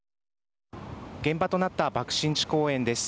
現場となった爆心地公園です。